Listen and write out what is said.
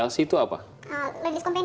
s organize dikit tuh reorganisasi brooklyn flag